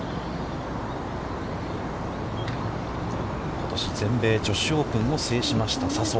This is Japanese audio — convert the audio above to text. ことし、全米女子オープンを制しました笹生。